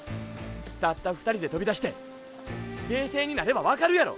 たった２人でとびだして冷静になれば分かるやろ！